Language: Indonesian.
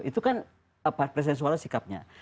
itu kan presiden soekarno sikapnya